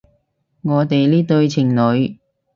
我哋呢對情侣